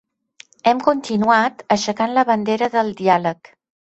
Hem continuat aixecant la bandera del diàleg.